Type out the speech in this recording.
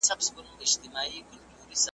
تاسي ولي په دې اړه څه نه وایاست؟